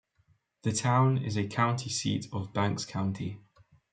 The town is the county seat of Banks County.